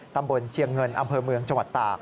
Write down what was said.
ตำบลเชียงเงินอำเภอเมืองจังหวัดตาก